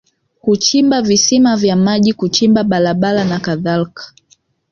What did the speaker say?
kuchimba visima vya maji kuchimba barabara na kadhalika